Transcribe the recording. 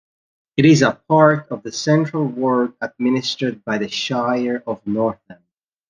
It is a part of the Central Ward administered by the Shire of Northam.